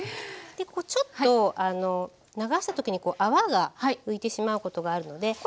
ちょっと流した時に泡が浮いてしまうことがあるので。